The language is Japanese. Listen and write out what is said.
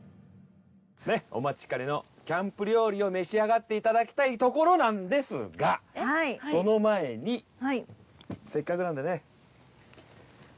お待ちかねのキャンプ料理を召し上がって頂きたいところなんですがその前にせっかくなのでねこちら。